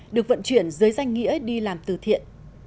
được vận chuyển dưới danh nghĩa đi làm từ thiện